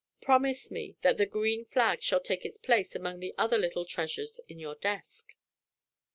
Promise me that the green flag shall take its place among the other little treasures in your desk!"